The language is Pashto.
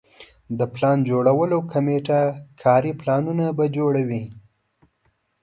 د پلان جوړولو کمیټه کاري پلانونه به جوړوي.